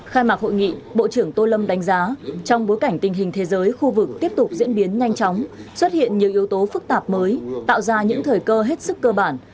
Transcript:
khai mạc hội nghị bộ trưởng tô lâm đánh giá trong bối cảnh tình hình thế giới khu vực tiếp tục diễn biến nhanh chóng xuất hiện nhiều yếu tố phức tạp mới tạo ra những thời cơ hết sức cơ bản